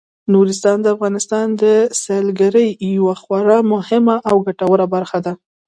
نورستان د افغانستان د سیلګرۍ یوه خورا مهمه او ګټوره برخه ده.